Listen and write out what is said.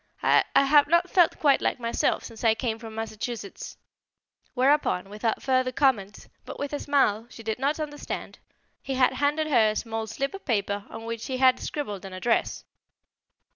I I have not felt quite like myself since I came from Massachusetts." Whereupon, without further comment, but with a smile she did not understand, he had handed her a small slip of paper on which he had scribbled an address.